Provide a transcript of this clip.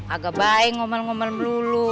agak baik ngomel ngomel melulu